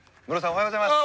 おはようございます。